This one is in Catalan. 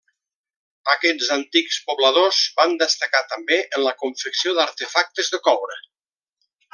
Aquests antics pobladors van destacar també en la confecció d'artefactes de coure.